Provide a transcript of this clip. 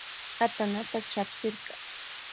Katanata chapsirka.